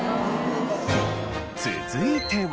続いては。